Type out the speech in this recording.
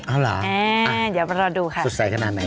เออเจอเรามารับดูค่ะ